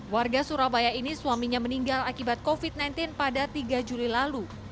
warga surabaya ini suaminya meninggal akibat covid sembilan belas pada tiga juli lalu